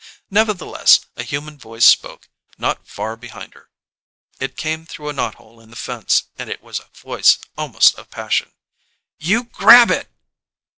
Nevertheless, a human voice spoke, not far behind her. It came through a knot hole in the fence, and it was a voice almost of passion. "_You grab it!